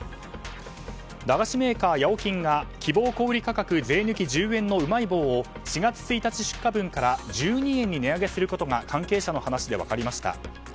駄菓子メーカーやおきんが希望小売価格税抜き１０円のうまい棒を４月１日出荷分から１２円に値上げすることが関係者の話で分かりました。